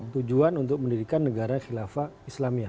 tujuan untuk mendirikan negara khilafah islamia